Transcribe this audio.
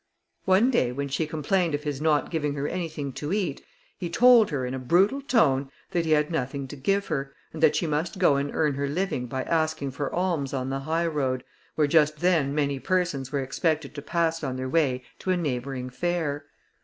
One day when she complained of his not giving her anything to eat, he told her, in a brutal tone, that he had nothing to give her, and that she must go and earn her living by asking for alms on the high road, where just then many persons were expected to pass on their way to a neighbouring fair.